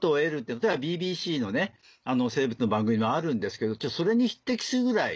例えばＢＢＣの生物の番組もあるんですけどそれに匹敵するぐらい。